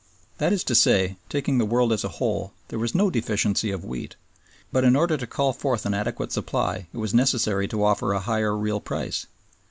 That is to say, taking the world as a whole, there was no deficiency of wheat, but in order to call forth an adequate supply it was necessary to offer a higher real price.